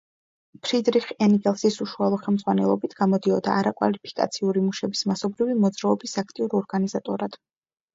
ფრიდრიხ ენგელსის უშუალო ხელმძღვანელობით გამოდიოდა არაკვალიფიციური მუშების მასობრივი მოძრაობის აქტიურ ორგანიზატორად.